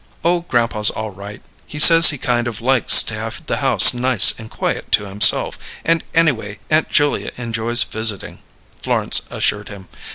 "Oh, grandpa's all right; he says he kind of likes to have the house nice and quiet to himself; and anyway Aunt Julia enjoys visiting," Florence assured him.